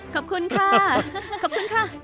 ขอบคุณค่ะขอบคุณค่ะ